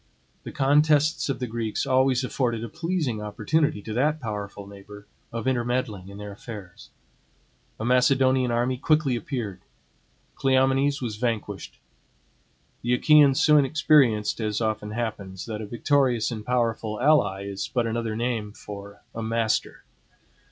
The contests of the Greeks always afforded a pleasing opportunity to that powerful neighbor of intermeddling in their affairs. A Macedonian army quickly appeared. Cleomenes was vanquished. The Achaeans soon experienced, as often happens, that a victorious and powerful ally is but another name for a master.